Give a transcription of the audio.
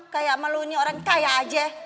kayak sama lu nih orang kaya aja